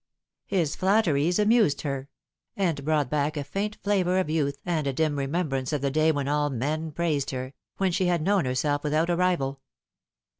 His flatteries amused her, and brought back a faint flavour of youth and a dim remembrance of the day when all men praised her, when she had known herself without a rival.